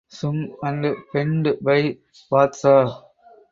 Sung and penned by Badshah.